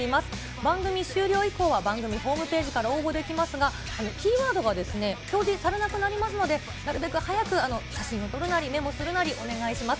番組終了以降は、番組ホームページから応募できますが、キーワードが表示されなくなりますので、なるべく早く写真を撮るなり、メモを取るなり、お願いします。